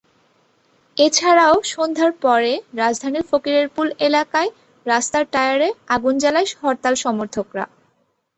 এছাড়াও সন্ধ্যার পরে রাজধানীর ফকিরেরপুল এলাকায় রাস্তায় টায়ারে আগুন জালায় হরতাল সমর্থকরা।